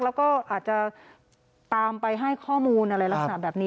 แล้วก็อาจจะตามไปให้ข้อมูลอะไรลักษณะแบบนี้